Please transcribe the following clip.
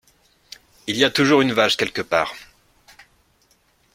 Il y a toujours une vache quelque part.